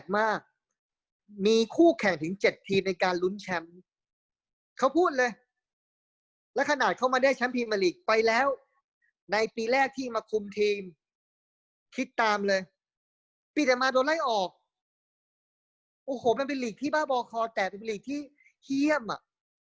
มากมีคู่แข่งถึง๗ทีมในการลุ้นแชมป์เขาพูดเลยและขนาดเขามาได้แชมป์พรีมาลีกไปแล้วในปีแรกที่มาคุมทีมคิดตามเลยปีแต่มาโดนไล่ออกโอ้โหมันเป็นลีกที่บ้าบอคอแตกเป็นหลีกที่เยี่ยมอ่ะ